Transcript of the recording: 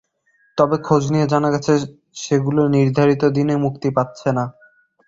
তবে খোঁজ নিয়ে জানা গেছে, সেগুলো নির্ধারিত দিনে মুক্তি পাচ্ছে না।